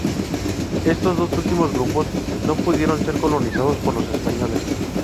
Estos dos últimos grupos no pudieron ser colonizados por los españoles.